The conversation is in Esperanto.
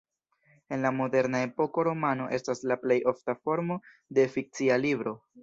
En la moderna epoko romano estas la plej ofta formo de fikcia libro.